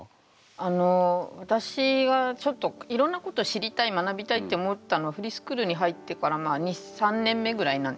あの私はちょっといろんなこと知りたい学びたいって思ったのはフリースクールに入ってから２３年目ぐらいなんです。